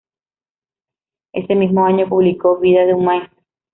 Ese mismo año publicó "Vida de un maestro".